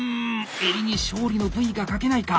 襟に勝利のＶがかけないか！